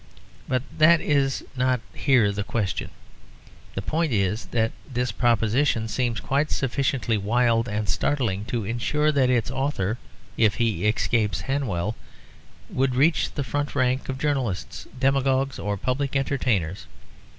But that is not here the question. The point is that this proposition seems quite sufficiently wild and startling to ensure that its author, if he escapes Hanwell, would reach the front rank of journalists, demagogues, or public entertainers.